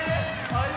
はい！